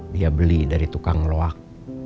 dia beli dari tukang roak